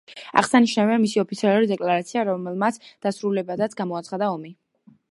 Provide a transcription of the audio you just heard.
აღსანიშნავია, მისი ოფიციალური დეკლარაცია, რომელმაც დასრულებულად გამოაცხადა ომი.